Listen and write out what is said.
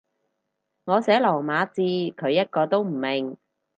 我寫羅馬字，佢一個都唔明